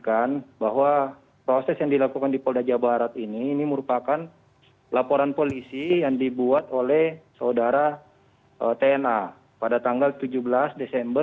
kemudian saya mau ilminkan bahwa proses yang dilakukan di polda jawa barat ini merupakan laporan pesawat yang dibuat oleh saudara tna pada tanggal tujuh belas desember dua ribu dua puluh satu